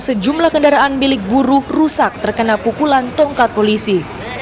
sejumlah kendaraan milik buruh rusak terkena pukulan tongkat polisi